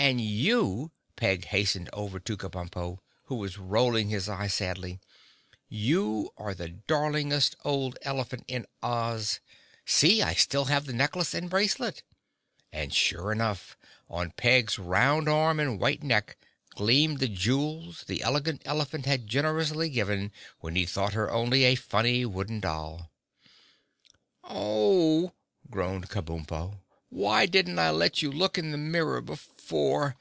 And you!" Peg hastened over to Kabumpo, who was rolling his eyes sadly. "You are the darlingest old elephant in Oz! See, I still have the necklace and bracelet!" And sure enough on Peg's round arm and white neck gleamed the jewels the Elegant Elephant had generously given when he thought her only a funny Wooden Doll. "Oh!" groaned Kabumpo. "Why didn't I let you look in the mirror before?